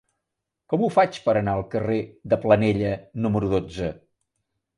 Com ho faig per anar al carrer de Planella número dotze?